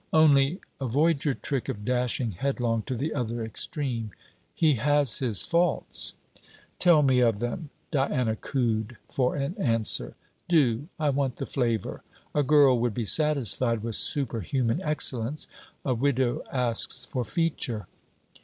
Only, avoid your trick of dashing headlong to the other extreme. He has his faults.' 'Tell me of them,' Diana cooed for an answer. 'Do. I want the flavour. A girl would be satisfied with superhuman excellence. A widow asks for feature.'